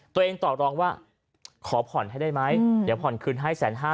ตัวเองตอบรองว่าขอผ่อนให้ได้ไหมเดี๋ยวผ่อนคืนให้แสนห้า